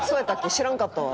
知らんかったわ。